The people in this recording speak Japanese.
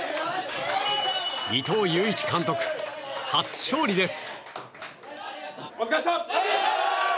伊藤悠一監督、初勝利です。